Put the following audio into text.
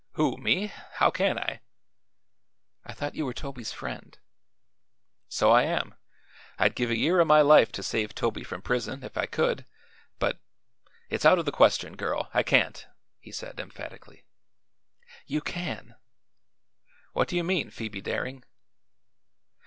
"Who? Me? How can I?" "I thought you were Toby's friend." "So I am. I'd give a year o' my life to save Toby from prison, if I could; but it's out o' the question, girl; I can't!" he said emphatically. "You can!" "What do you mean, Phoebe Daring?"